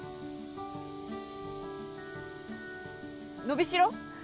伸びしろ？